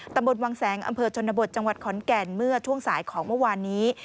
ตำบลวังแสงอำเภอชนบทจังหวัดขอนแก่นเมื่อช่วงสายของเมื่อวานนี้